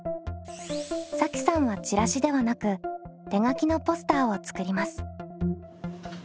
さきさんはチラシではなく手書きのポスターを作ります。